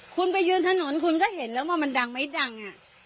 คุณไปยืนถนนคุณก็เห็นแล้วว่ามันดังไม่ดัง